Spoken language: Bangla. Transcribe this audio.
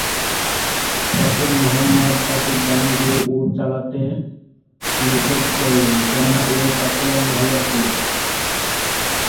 তখন মুহাম্মাদ তাকে গান গেয়ে উট চালাতে নিষেধ করলেন, কেননা ঐ কাফেলায় মহিলা ছিলো।